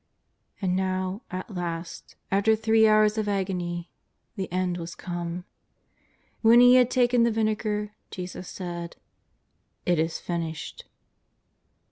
And now at last, after three hours of agony, the end was come. When He had taken the vinegar Jesus said: ''// is finished."